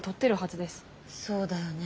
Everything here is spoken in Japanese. そうだよね。